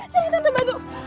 sini tante bantu